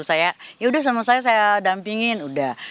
saya yaudah sama saya saya dampingin udah